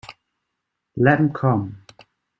Let ’em come.